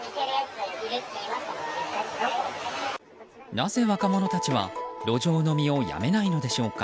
なぜ若者たちは路上飲みをやめないのでしょうか。